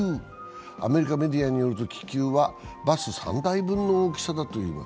アメリカメディアによると気球はバス３台分の大きさだといいます。